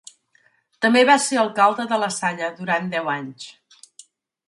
També va ser alcalde de La Salle durant deu anys.